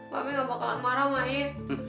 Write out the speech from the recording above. babi gak bakalan marah sama ida